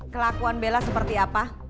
kelakuan bella seperti apa